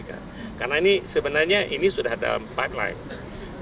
karena ini sebenarnya ini sudah dalam pipeline